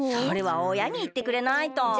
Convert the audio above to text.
それはおやにいってくれないと。